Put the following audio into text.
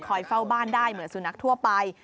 เฝ้าบ้านได้เหมือนสุนัขทั่วไป